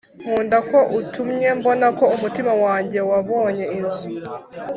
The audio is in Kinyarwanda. nkunda ko utumye mbona ko umutima wanjye wabonye inzu.